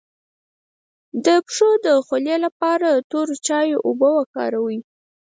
د پښو د خولې لپاره د تور چای اوبه وکاروئ